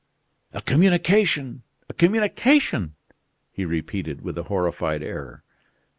"A communication! a communication!" he repeated, with a horrified air.